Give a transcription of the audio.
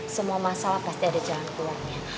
semua masalah pasti ada jalan keluarnya